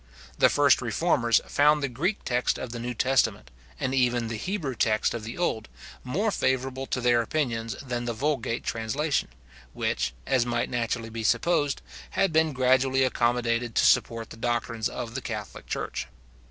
The first reformers found the Greek text of the New Testament, and even the Hebrew text of the Old, more favourable to their opinions than the vulgate translation, which, as might naturally be supposed, had been gradually accommodated to support the doctrines of the Catholic Church.